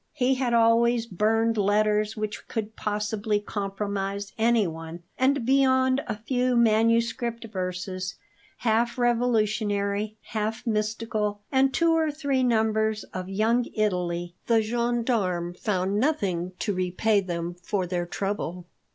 He had always burned letters which could possibly compromise anyone, and beyond a few manuscript verses, half revolutionary, half mystical, and two or three numbers of Young Italy, the gendarmes found nothing to repay them for their trouble.